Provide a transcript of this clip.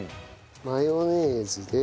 マヨネーズで。